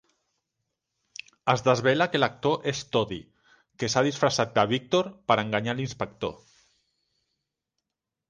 Es desvela que l'actor és Toddy, que s'ha disfressat de "Víctor" per enganyar l'inspector.